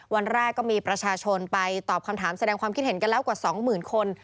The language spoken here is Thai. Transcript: วันแรกก็มีประชาชนไปตอบคำถามแสดงความคิดเห็นกันแล้วกว่า๒๐๐๐คน